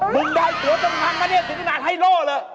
มึงได้ตั๋วจังหังก็ได้แต่น้าให้โล่หรือ